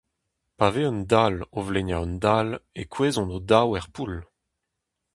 Pa vez un dall o vleinañ un dall e kouezhont o daou er poull.